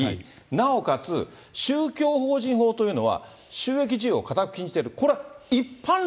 なおかつ、宗教法人法というのは、収益事業を固く禁じている。